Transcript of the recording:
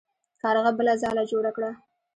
کارغه بله ځاله جوړه کړه.